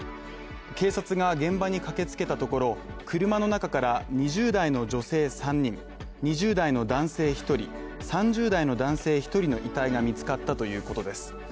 警察が現場に駆け付けたところ、車の中から２０代の女性３人、２０代の男性１人、３０代の男性１人の遺体が見つかったということです。